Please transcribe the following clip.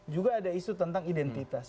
juga ada isu tentang identitas